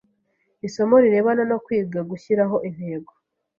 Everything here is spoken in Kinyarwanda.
isomo rirebana no kwiga gushyiraho intego